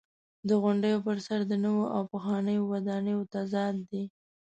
د غونډیو پر سر د نویو او پخوانیو ودانیو تضاد دی.